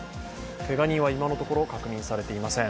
けが人は今のところ確認されていません。